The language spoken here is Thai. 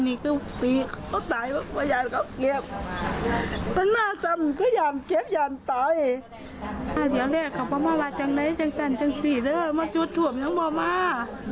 เดี๋ยวเรียกเขามาว่าว่าจังไหนจังแสนจังสี่แล้วมันจูดถ่วมอย่างบ่มา